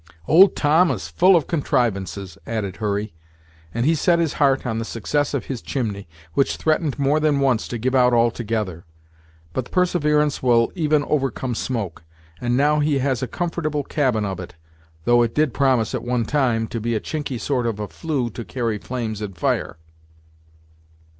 "Old Tom is full of contrivances," added Hurry, "and he set his heart on the success of his chimney, which threatened more than once to give out altogether; but perseverance will even overcome smoke; and now he has a comfortable cabin of it, though it did promise, at one time, to be a chinky sort of a flue to carry flames and fire."